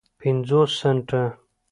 پینځوس سنټه